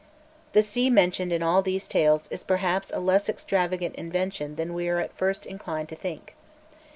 The sea mentioned in all these tales is perhaps a less extravagant invention than we are at first inclined to think.